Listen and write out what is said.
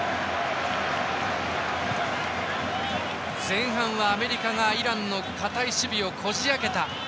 前半はアメリカがイランの堅い守備をこじ開けた。